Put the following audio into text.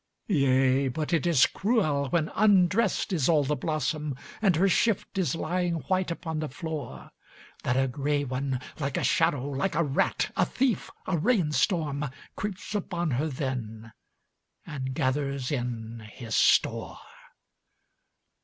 Yea, but it is cruel when undressed is all the blossom, And her shift is lying white upon the floor, That a grey one, like a shadow, like a rat, a thief, a rain storm Creeps upon her then and gathers in his store.